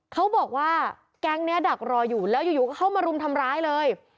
เขาบอกว่าแก๊งนี้ดักรออยู่แล้วอยู่ก็เข้ามารุมทำร้ายเลย